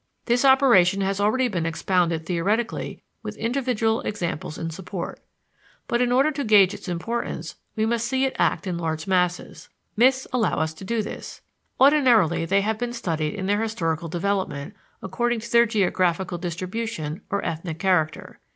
This operation has already been expounded theoretically with individual examples in support. But in order to gauge its importance, we must see it act in large masses. Myths allow us to do this. Ordinarily they have been studied in their historical development according to their geographical distribution or ethnic character.